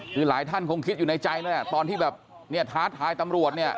คือหลายท่านคงคิดอยู่ในใจนึกถ้าท้าทายตำรวจ